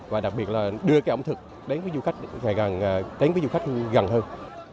và đặc biệt là đưa cái ẩm thực đến với du khách gần hơn